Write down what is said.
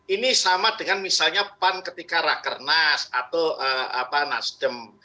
ini sama dengan misalnya pan ketika rakernas atau nasdem